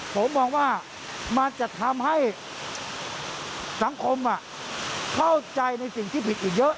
ผมมองว่ามันจะทำให้สังคมเข้าใจในสิ่งที่ผิดอีกเยอะ